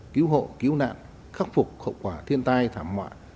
cứu hộ cứu nạn khắc phục hậu quả thiên tai thảm họa